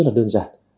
nó rất đơn giản